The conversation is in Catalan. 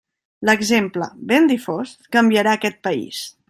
L'exemple, ben difós, canviarà aquest País.